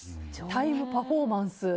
タイムパフォーマンス。